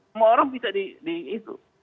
semua orang bisa di itu